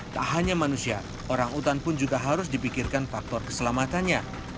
tak hanya manusia orang utan pun juga harus dipikirkan faktor keselamatannya